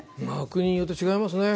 国によって違いますね。